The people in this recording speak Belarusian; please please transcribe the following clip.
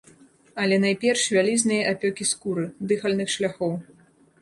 Але найперш вялізныя апёкі скуры, дыхальных шляхоў.